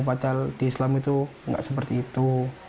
batal di islam itu nggak seperti itu